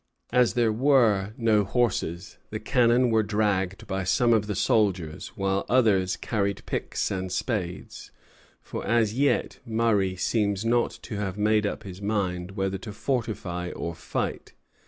As there were no horses, the cannon were dragged by some of the soldiers, while others carried picks and spades; for as yet Murray seems not to have made up his mind whether to fortify or fight.